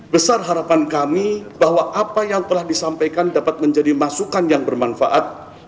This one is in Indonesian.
besar harapan kami bahwa apa yang telah disampaikan dapat menjadi masukan yang bermanfaat